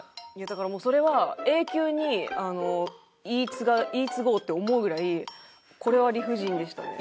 だからもうそれは永久に言い継ごうって思うぐらいこれは理不尽でしたね。